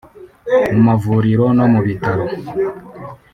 mu mavuriro no mu bitaro